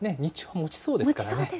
もちそうですからね。